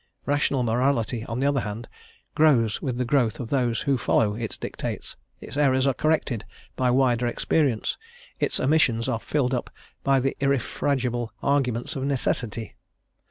Rational morality, on the other hand, grows with the growth of those who follow its dictates; its errors are corrected by wider experience, its omissions are filled up by the irrefragable arguments of necessity.